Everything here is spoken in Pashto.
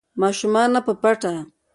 ماشومانو نه په پټه